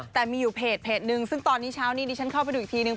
แต่มีอยู่เพจนึงซึ่งตอนนี้เช้านี้ดิฉันเข้าไปดูอีกทีนึง